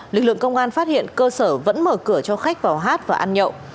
lực lượng công an phát hiện cơ sở vẫn mở cửa cho khách vào hát và ăn nhậu